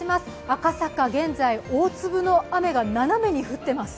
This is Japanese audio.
赤坂、現在、大粒の雨が斜めに降ってます。